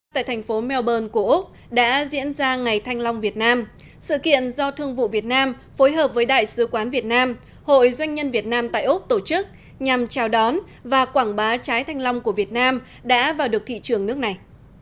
tại thành phố melbourne của úc đã diễn ra ngày thanh long việt nam sự kiện do thương vụ việt nam phối hợp với đại sứ quán việt nam hội doanh nhân việt nam tại úc tổ chức nhằm chào đón và quảng bá trái thanh long của việt nam đã vào được thị trường nước này